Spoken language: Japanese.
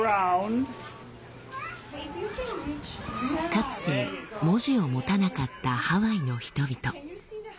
かつて文字を持たなかったハワイの人々。